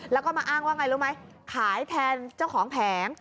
แล้วก็มาอ้างว่าไงรู้ไหมขายแทนเจ้าของแผง